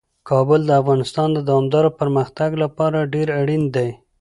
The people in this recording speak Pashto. کابل د افغانستان د دوامداره پرمختګ لپاره ډیر اړین دی.